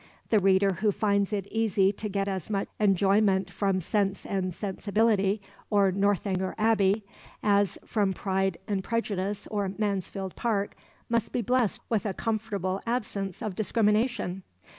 The reader who finds it easy to get as much enjoyment from Sense and Sensibility or Northanger Abbey as from Pride and Prejudice or Mansfield Park must be blessed with a comfortable absence of discrimination.